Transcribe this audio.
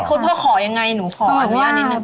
คุณพ่อขอยังไงหนูขออนุญาตนิดนึ